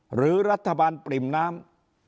หรือรัฐบาลปริ่มน้ำ